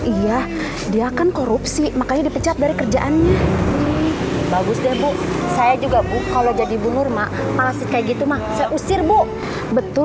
ia iya kan korupsi makanya di pecah dari kerjaannya bagus juga bu saya juga bu kalau jadi bu nurma palace kaya gitu mah saya usir bu